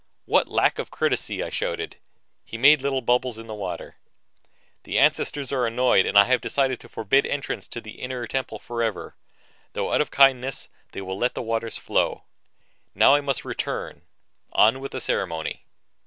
"What lack of courtesy!" I shouted. He made little bubbles in the water. "The ancestors are annoyed and have decided to forbid entrance to the Inner Temple forever; though, out of kindness, they will let the waters flow. Now I must return on with the ceremony!"